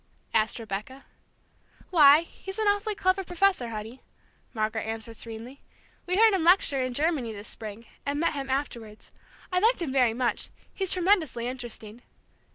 asked Rebecca. "Why, he's an awfully clever professor, honey," Margaret answered serenely. "We heard him lecture in Germany this spring, and met him afterwards. I liked him very much. He's tremendously interesting."